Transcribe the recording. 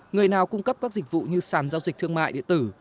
người nào cung cấp các dịch vụ như sàn giao dịch thương mại điện tử